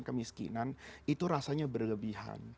kemiskinan itu rasanya berlebihan